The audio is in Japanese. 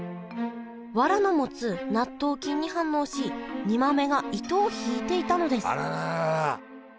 わらの持つ納豆菌に反応し煮豆が糸を引いていたのですあらららら。